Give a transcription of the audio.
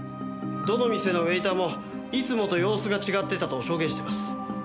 どの店のウエイターもいつもと様子が違ってたと証言しています。